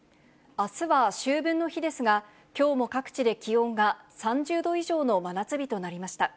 あすは秋分の日ですが、きょうも各地で気温が３０度以上の真夏日となりました。